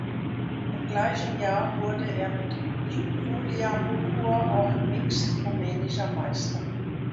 Im gleichen Jahr wurde er mit Iulia Bucur auch im Mixed rumänischer Meister.